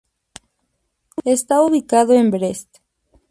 Está ubicado en Brest.